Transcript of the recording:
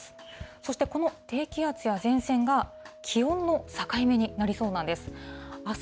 そしてこの低気圧や前線が、気温の境目になりそうなんです。